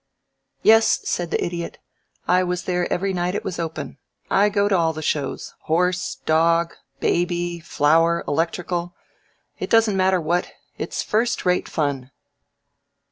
"Yes," said the Idiot, "I was there every night it was open. I go to all the shows Horse, Dog, Baby, Flower, Electrical it doesn't matter what. It's first rate fun."